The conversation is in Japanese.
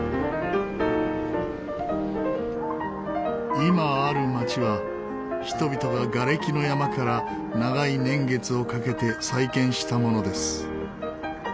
今ある街は人々ががれきの山から長い年月をかけて再建したものです。